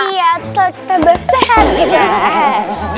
iya supaya kita bersehat gitu